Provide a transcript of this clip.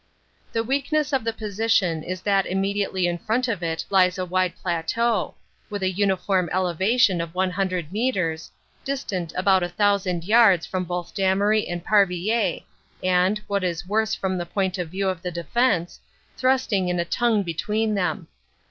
The weakness of the position is that immediately in front of it lies a wide plateau, with a uniform elevation of 100 metres, distant about a thousand yards from both Damery and Parvillers, and, what was worse from the point of view of the defense, thrusting in a tongue between them.